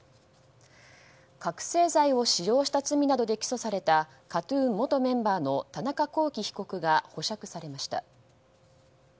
覚醒剤を使用した罪などで起訴されたＫＡＴ‐ＴＵＮ元メンバーの田中聖被告が保釈されました。